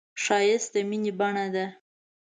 ښایست د مینې بڼه ده